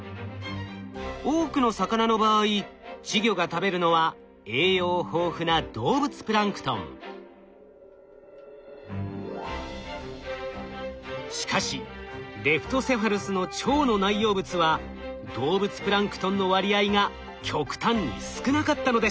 多くの魚の場合稚魚が食べるのは栄養豊富なしかしレプトセファルスの腸の内容物は動物プランクトンの割合が極端に少なかったのです。